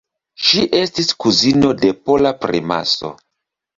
Ŝi estis kuzino de pola primaso.